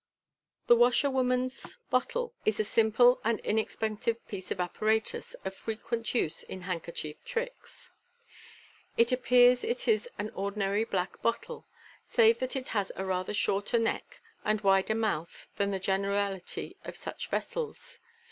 — The * WasherwomanfS •4* MODERN MA GIC. Bottle " is a simple and inexpensive piece of apparatus, of frequent use in handkerchief tricks. In appearance it is an ordinary black bottle, save that it has a rather shorter neck and wider mouth than the generality of such vessels.